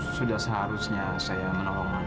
sudah seharusnya saya menolong